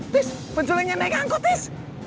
tis penculiknya naik angkot tis